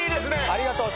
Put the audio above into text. ありがとう。